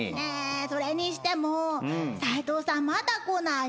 それにしても斉藤さんまだ来ないね。